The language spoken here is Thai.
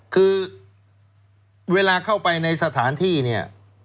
คือเวลาเข้าไปในสถานที่เนี่ย